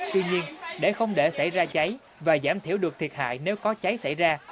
tuy nhiên để không để xảy ra cháy và giảm thiểu được thiệt hại nếu có cháy xảy ra